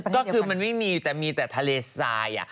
ก็คือมันไม่มีแต่มีแต่ทะเลทราย